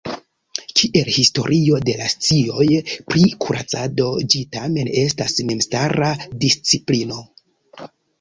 Kiel historio de la scioj pri kuracado ĝi tamen estas memstara disciplino.